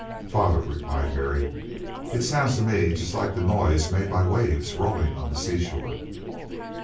"Father," replied Harry, "it sounds to me just like the noise made by waves rolling on the sea shore."